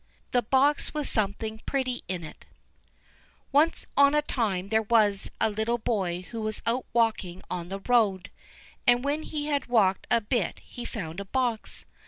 The Box With Something Pretty In It Once on a time there was a little boy who was out walking on the road, and when he had walked a bit he found a box.